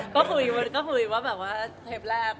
ก็คุยว่าแบบว่าเทปแรก